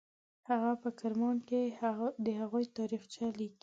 هغه په کرمان کې د هغوی تاریخچه لیکي.